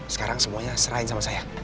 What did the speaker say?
sekarang semuanya serahin sama saya